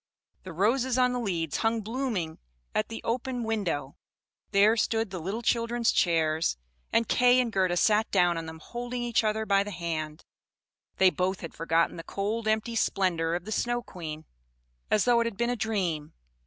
The roses on the leads hung blooming in at the open window; there stood the little children's chairs, and Kay and Gerda sat down on them, holding each other by the hand; they both had forgotten the cold empty splendor of the Snow Queen, as though it had been a dream.